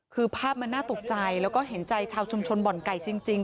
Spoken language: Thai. คือภาพมันน่าตกใจแล้วก็เห็นใจชาวชุมชนบ่อนไก่จริง